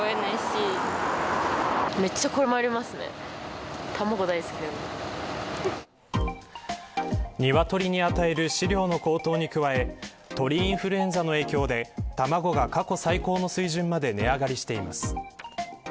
新「アタックＺＥＲＯ」鶏に与える飼料の高騰に加え鳥インフルエンザの影響で卵が過去最高の水準まで値上がりしています。